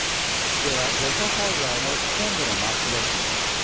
では土砂災害の危険度のマップです。